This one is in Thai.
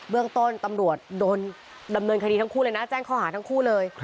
เรื่องต้นตำรวจโดนดำเนินคดีทั้งคู่เลยนะแจ้งข้อหาทั้งคู่เลย